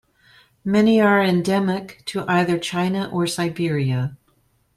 Many are endemic to either China or Siberia.